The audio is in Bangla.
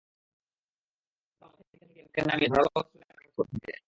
দুর্বৃত্তরা মোটরসাইকেল থেকে একজনকে নামিয়ে ধারালো অস্ত্র দিয়ে আঘাত করতে থাকে।